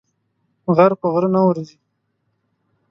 غر په غره نه ورځي.